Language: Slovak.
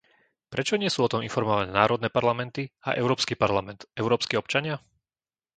Prečo nie sú o tom informované národné parlamenty a Európsky parlament - európski občania?